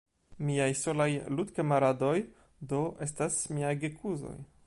Miaj solaj ludkamaradoj, do, estas miaj gekuzoj.